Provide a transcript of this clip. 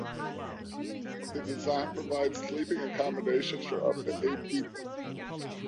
The design provides sleeping accommodation for up to eight people.